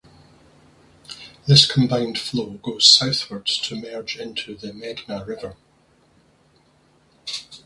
This combined flow goes southwards to merge into the Meghna River.